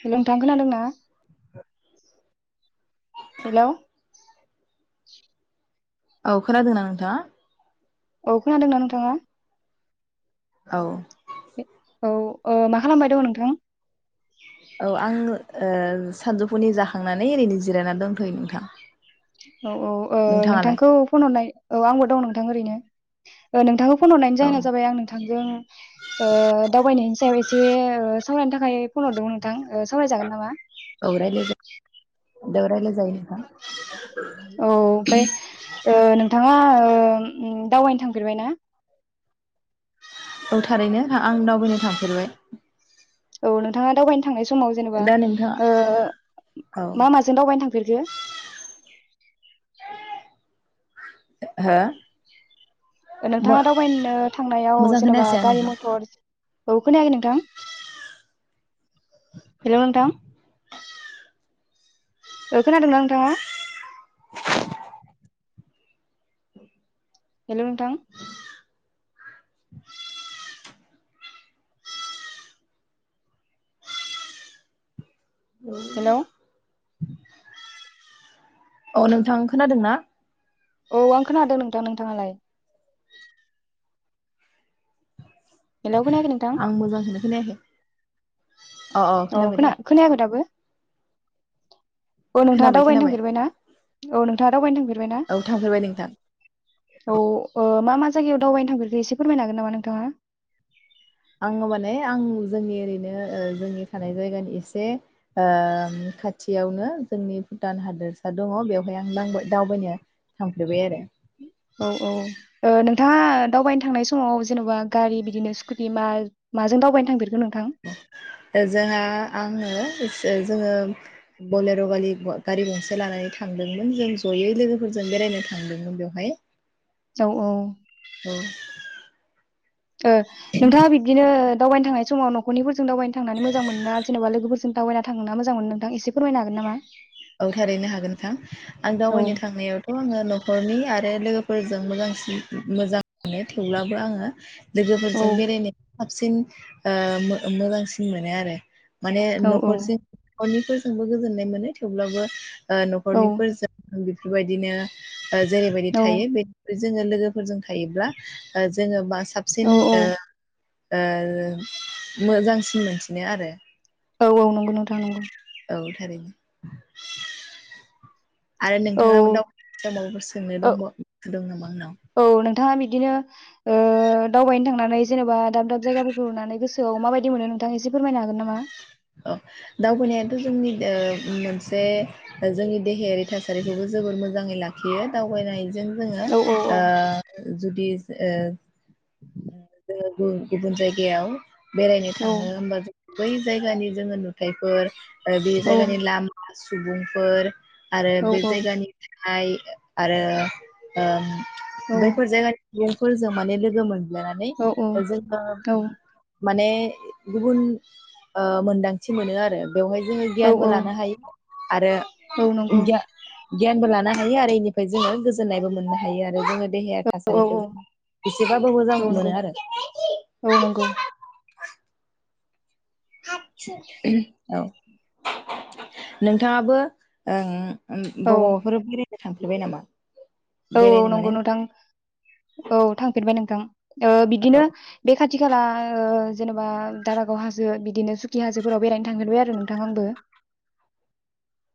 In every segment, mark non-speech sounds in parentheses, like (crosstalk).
Hello नोंथां खोनादोंना। Hello. औ खोनादोंना नोंथाङा। औ खोनादोंना नोंथाङा? औ। औ ओ मा खालामबाय दंअ नोंथां? औ आंङो। ओ सानजौफुनि जाखांनानै ओरैनो जिरायनान दंथयो नोंथां। औ औ ओ नोंथाङालाय? नोंथांखौ फन हरनाय औ आंबो दंअ नोंथां ओरैनो। ओ नोंथांओफ। फन हरनायनि औ जाहोना जाबाय आं नोंथांजों ओ दावबायनायनि सायाव एसे ओ सा सावरायनो थाखाय फन हरदोंमोन नोंथां। ओ समाय जागोन नामा? दौरायला जायो नोंथां। औ ओमफ्राय ओ नोंथां मा ओम दावबायनो थांफेरबाय ना? औथारैनो आं दावबायनो थांफ। (unintelligible) औ नोंथाङा दावबायनो। थांनाय समाव जेनेबा नोंथाङा ओ औ मा माजों दावबायनो थांफेरखो। हो नोंथाङा दावबायनो थांनायाव मोजां जेनेबा खोनायासै आं गारि नोंथां मथर औ खोनाखै नोंथां हेल' नोंथां औ खोनादोंना नोंथाङा हेल' नोंथां हेलौ औ नोंथां खोनादों ना औ आं खोनादों नोंथां नोंथाङालाय हेल' आं मोजां सो खोनायाखै अ खोना खोनायाखै दाबो (inaudible) औ नोंथाङा खोनाबाय दावबायनो खोनाबाय थांफेरबाय ना औ नों था दावबाय नो थांफेर औ थांफेरबाय नोंथां औ ओ मा मा जायगायाव दावबायनो थांफेरखो एसे फोरमायनो हागोन नामा नोंथाङा आङो माने आं जोंनि ओरैनो जोंनि थानाय जायगानि एसे खाथियावनो जोंनि भुटान हादोरसा दङ बेवहाय आं दावबायनो थांफेरबाय आरो औ औ नोंथाङा ओ दावबायनो थांनाय समाव जोंहा आङो एस जोङो बलेर' बालि गारि गंसे लानानै थांदोंमोन जों जयै लोगोफोरजों बेरायनो थांदोंमोन बेवहाय औ औ (unintelligible) ओ नोंथाङा बिदिनो दावबायनो थांनाय समाव न'खरनिफोरजों जों दावबायनो थांनानै मोजां मोना जेनेबा लोगोफोरजों दावबायना थांनो मोजां मोनो नोंथां एसे फोरमायनो हागोन नामा औ थारैनो हागोनोंथां आं औ दावबायनो थांनायावथ' आङो न'खरनि आरो आरो लोगोफोरजों मोजांसिन मोजां मोनो थेवब्लाबो आङो औ लोगोफोरजों बेरायनो साबसिन ओ मोजांसिन मोनो आरो माने औ औ न'खरजि अनेकफोरजोंबो गोजोननाय मोनो थेवब्लाबो ओ औ न'खरनिफोरजों बेफोरबायदिनो जेरैबायदि औ थायो बे जोङो लोगोफोरजों थायोब्ला जोंङो बास औ साबसिन ओ ओ मोजांसिन मोनसिनो आरो। औऔ नंगौ नोथां नंगौ। औ थारैनो। आरो औ नोंथाङाबो दा माबाफोर सोंनो दबा दं नामा होनदों? थाङा बिदिनो दावबायनो थांनानै जेनेबा दाब दाब जायगाफोरखौ नुनानै गोसोआव माबायदि मोनो नोंथाङा एसे फोरमायनो हागोन नामा? अ दावबायनायाथ' जोंनि मोनसे जोंनि देहायारि थासारिखौबो जोबोर मोजाङै लाखियो दावबायनाय जों जोङो औ औ औ ओ जुदि ओ ओ गु-गुबुन जायगायाव बेरायनो औ थाङो होमबा जों बै जायगानि जोङो नु जायफोर बे जायगानि लामा सुबुंफोर आरो औ बे जायगानि हाइ आरो ओ औ बैफोर जायगानि सुबुंफोरजों माने मोन नानै ओ जोंङो औ माने गुबुन ओ मोनदांथि मोनो आरो। बेवहाय जोङो औ गियानबो लानो हायो। औ आरो नंगौ गि गियानबो लानो हायो आरो इनिफ्राय जोङो गोजोननायबो मोननो हायो आरो जोङो। देहाया औ औ थासारिखौ औ जोंहा एसेबाबो मोजां। नंगौ मोनो आरो औ नंगौ। औ नोंथाङाबो ओ ओ औ बबावफोर बेराय थांफेरबाय नामा? औ औ बेरायनो माने नंगौ नोंथां औ थांफेरबाय नोंथां। बिदिनो बे खा थि खाला जेनेबा दारागाव हाजो बिदिनो सुकि हाजोफोराव बेरायनो थांगेरबाय आरो नोंथां आंबो।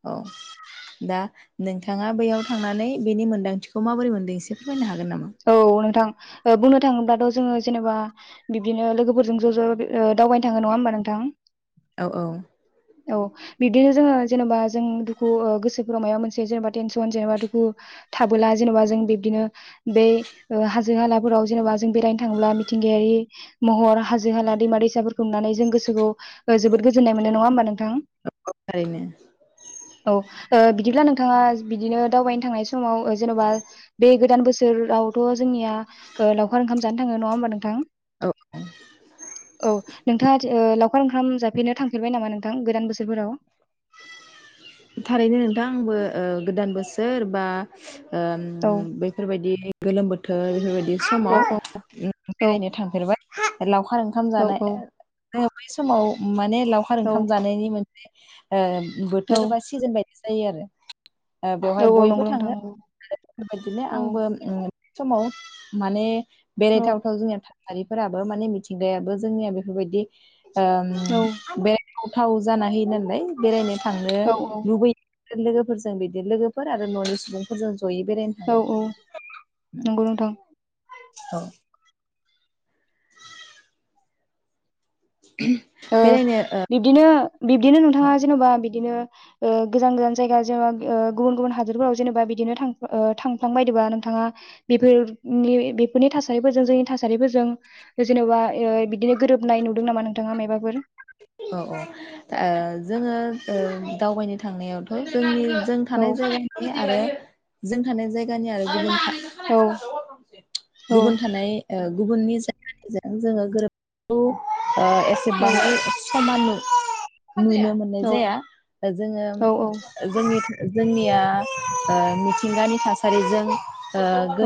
औ दा नोंथाङा बैयाव थांनानै बेनि मोनदांथिखौ माबोरै मोनदों एसे फोरमायनो हागोन नामा? औ नोंथां बुंनो थाङोब्लाथ' जोङो जेनेबा बिदिनो लोगोफोरजों ज' ज' ओ दावबायनो थाङो नङा होमबा नोंथां? औ औ। औ बिब्दिनो जोङो जेनेबा जों दुखु गोसोफोराव माबा मोनसे जेनेबा टेनसन जेनेबा दुखु थाबोला जेनेबा जों बिब्दिनो दे ओ हाजो हालाफोराव जेन'बा जों बेरायनो थाङोब्ला मिथिंगायारि महर हाजो हाला दैमा दैसाफोरखौ नुनानै जों गोसोखौ जोबोद गोजोन्नाय मोनो नङा होमबा नोंथां। औ थारैनो। औ ओ बिदिब्ला नोंथाङा बिदिनो दावबायनो थांनाय समाव जेन'बा बे गोदान बोसोर सोरावथ' जोंनिया लावखार ओंखाम जानो थाङो नङा होमबा नोंथां। औ नों थाङा दि ओ लावखार ओंखाम जाफेरनो थांफेरबाय नामा नोंथां गोदान बोसोरफोराव थारैनो नोंथां आंबो ओ गोदान बोसोर बा ओ‌ औ बैफोरबायदि गोलोम बोथोर थोर बेफोरबायदि औ समाव उम औ बेरायनो थांफेरबाय। हा हेलौ। फार ओंखाम औ जानाय। जों बै समाव माने लावखार औ ओंखाम जानायनि मोन ओ बोथोर बासि जोन बादि जायो आरो। ओ बेवहाय औ औ बयबो नंगौ नोंथां थाङो नंगौ बेबायदिनो औ आंबो समाव माने औ बेरायथावथाव जोंनिया फालिफोराबो माने मिथिंगायाबो जोंनिया बेफोरबायदि ओम बे हाथाव जाना होयो नालाय बेरायनो थाङो। औ लोगोफोरजों बिदि लोगोफोर आरो न'नि सुबुंफोरजों जयै बेरायनो औ औ थाङो नंगौ नोंथां उम औ। ओ बेरायनो औ बिब्दिनो बिब्दिनो नोंथाङा जेन'बा बि दिनो ओ गोजान गोजान जायगा जेनेबा ओ गुबुन गुबुन हादरफोराव जेनेबा बिदिनो थां ओ थांफ्लांबायदोंबा नोंथाङा बेफोरनि बेफोरनि थासारिफोरजों जोंनि थासारिफोरजों जेन'बा ओ बिदिनो गोरोबनाय नुदों नामा नोंथाङा मायबा फोर। औ औ ओ जोङो ओ दावबायनो थांनायावथ' जोंनि जों औ थानाय जायगानि आरो जों थानाय जायगानि आरो ऐ मा लेखा औ लायखा रोङाखै अरमांसे औ गुबुन थानाय ओ‌ गुबुननि जायगानिजों जोङो गोरोगौ ओ एसेबां औ समानो नुनो मोननाय औ जाया जोङो औ जोंनि (inaudible) जोंनि ओ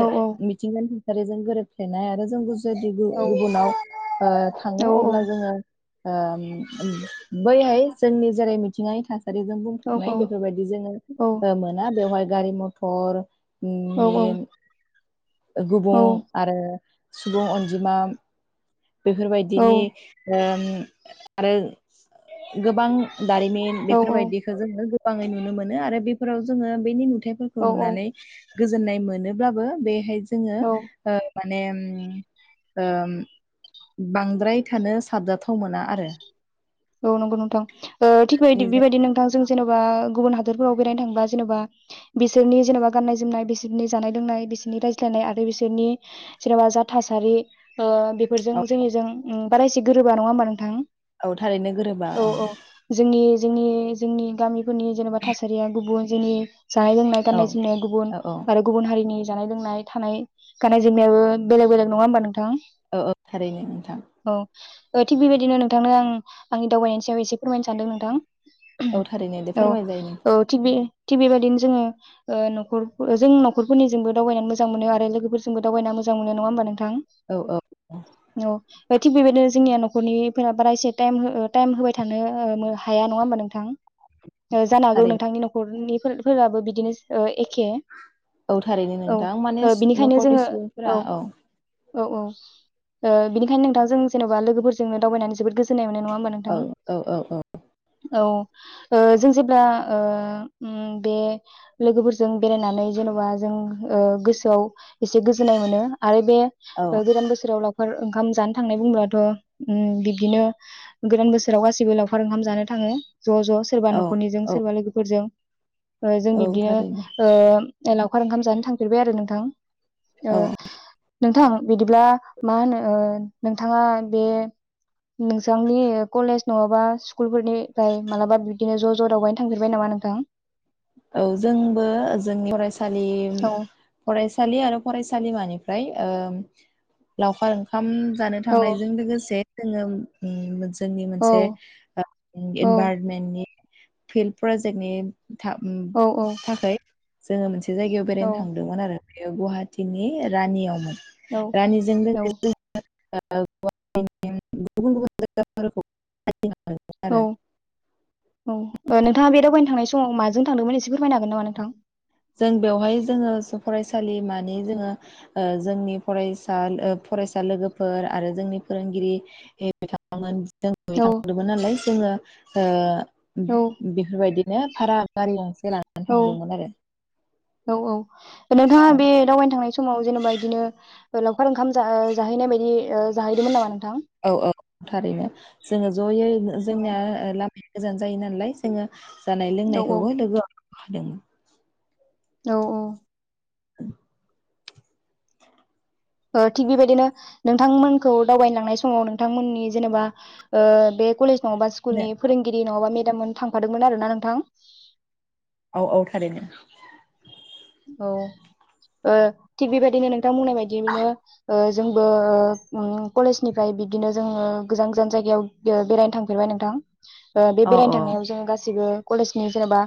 औ औ मिथिंगानि गाजों गोरोबफ्लेनाय आरो जों जुदि औ गुबुनाव ओ औ थाङो अब्ला जोङो ओम ओम बैहाय जोंनि जेरै मिथिंगानि थास आरिजों औ बुंफमनाय बेफोरबायदि जोङो ओ मोना बेवहाय गारि मथर औ- औ गुबुं आरो सुबुं अनजिमा बेफोरबायदिनि ओ आरो गोबां दारिमिन औ बेफोरबायदिखौ जोङो गोबाङै नुनो मोनो आरो बेफोराव जोङो बेनि नुथाय औ फिथाइफोरखौ नुनानै गोजोननाय मोनोब्लाबो बेहाय जोङो औ ओ माने ओ बांद्राय थानो साबजाथाव मोना आरो औ नंगौ नोंथां ओ थिगबेबाय बेबायदि नोंथांजों जेन'बा गुबुन हादरोरफोराव बेरायनो थांबा जेन'बा बिसोरनि जेनेबा गाननाय जोमनाय बिसोरनि जानाय लोंनाय बिसोरनि रायज्लायनाय आरो बिसोरनि जेनेबा जा थासारि ओ बेफोरजों औ जोंनिजों ओ बारा एसे गोरोबा नङा ओमबा नोंथां? औ थारैनो गोरोबा औ- औ जोंनि जोंनि- जोंनि गामि फोरनि जेनेबा थासारिया गुबुन जोंनि जानाय लोंनाय औ गाननाय जोमनाय गुबुन औ आरो गुबुन हारिनि जानाय लोंनाय थानाय गाननाय जोमनायाबो बेलेग बेलेग नङा होमबा नोंथां? औ औ थारैनो नोंथां औ थिग बेबायदिनो नोंथांनो आं आंनि दावबायनायनि सायाव एसे फोरमायनो सान्दों नोंथां। औ थारैनो दे औ फोरमाय जायो नोंथां औ थिग बे थिग बेबायदिनो जोङो ओ न'खर जों नखरफोरनिजोंबो दावबायनानै मोजां मोनो आरो लोगोफोरजोंबो दावबायना मोजां मोनो नङा होमबा नों थां औ औ औ थिक बेबायदिनो जोंनिया न'खरनिफोरा बारा एसे टाइम टाइम होबाय थानो हाया नङा होमबा नोंथां जानो हागौ थारैनो नोंथांनि न'खरनि फोराबो बिदिनो ओ एखे औ थारैनो औ नोंथां माने ओ बिनिखायनो न'खरनि जोङो सुबुंफोरा औ औ औ ओ बिनिखायनो नोंथां जों जेन'बा लोगोफोरजोंनो दावबायनानै जोबोद गोजोन (unintelligible) नङा होमबा औ नोंथां औ औ औ औ ओ जों जेब्ला ओ उम बे लोगोफोरजों बेरायनानै जेन'बा जों ओ गोसोआव एसे गोजोननाय मोनो आरो बे औ गोदान बोसोराव लावखार ओंखाम जानो थांनाय बुंब्लाथ' बिब्दिनो गोदान बोसोराव गासिबो लावखार ओंखाम जानो थाङो। ज' ज' सोरबा औ न'खरनिजों औ सोरबा लोगोफोरजों जों औ बिब्दिनो थारैनो ओ लावखार ओंखाम जानो थांफेरबाय आरो नोंथां? ओ औ नोंथां बिदिब्ला मा होनो नोंथाङा बे नोंथांनि कलेज नङाबा स्कुलफोरनिफ्राय मालाबा बिब्दिनो ज' ज' दावबायनो थांफेरबाय नामा नोंथां? औ जोंबो जोंनि फरायसा सालि औ फरायसालि आरो फरायसालिमानि फ्राय लावखार ओंखाम जानो औ थांनायजों लोगोसे जोङो (unintelligible) जोंनि औ मोनसे इनभाइरमेन्टनि फिल्ड प्रजेक्टनि थाब नि औ थाखै जोङो मोनसे जायगायाव औ बेरायनो थांदोंमोन आरो बेयो गुवाहाटीनि रानियावमोन। औ रानिजों औ लोगोसे (unintelligible) गुबुन गुबुन (unintelligible) औ आरो औ नोंथाङा बे दावबायनो थांनाय समाव माजों थांदोंमोन एसे फोरमायनो हागोन नामा नोंथां? जों बेवहाय जोङो फरायसालिमानि जोङो जोंनि फरायसा फरायसा लोगोफोर आरो जोंनि फोरोंगिरि बिथांमोन जों औ थांदोंमोन नालाय जोङो ओ औ बेफोरबायदिनो भारा गारि गंसे लानानै औ थांदोंमोन आरो। औ औ नोंथाङा बे दावबायनो थांनाय समाव जेनेबा बिदिनो लावखार ओंखाम जाहैनाय बायदि ओ जाहैदोंमोन नामा नोंथां? औ औ थारैनो जोङो ज'यै औ जोंनिया लामा गोजान जायो नालाय जोङो जानाय लोंनायखौबो लोगो (inaudible) औ औ (inaudible) थिग बेबायदिनो नोंथांमोनखौ दावबायनो लांनाय समाव नोंथांमोननि जेनेबा बे कलेज नङाबा स्कुनि फोरोंगिरि नङाबा (inaudible) थांफादोंमोन आरो ना नोंथां औ औ थारैनो औ थिग बेबायदिनो नोंथां बुंनाय बायदिनो जोंबो कलेजनिफ्राय बिदिनो जोङो गोजान गोजान जायगायाव बेरायनो थांफेरबाय नोंथां बे औ बेरायनो थांनायाव जोङो गाासैबो कलेजनि जेनेबा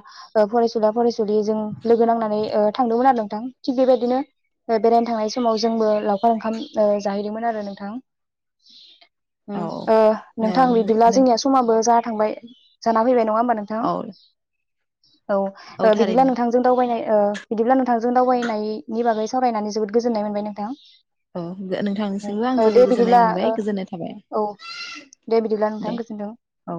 फरायसुला फरायसुलि लिजों लोगो नांनानै (unintelligible) आरो नोंथां थिग बेबायदिनो बेरायनो थांनाय समाव जोंबो लावखार ओंखाम जाहैदोंमोन आरो नोंथां ओम औ नोंथां बिदिब्ला औ जोंनिया समाबो जा थांबाय जाना फैबाय नङा होनबा नोंथां औ (inaudible) औ बिदिब्ला नोंथांजों दावबायनाय ओ बिदिब्ला नोंथांजों दावबायनायनि बागै सावरायनानै जोबोद गोजोननाय मोनबाय नोंथां। औ (unintelligible) नोंथांनिसिमबो आं ओ जोबोर दे गोजोननाय बिदिब्ला ओ मोनबाय गोजोननाय थाबाय औ दे बिदिब्ला नोंथां दे गोजोनथों। औ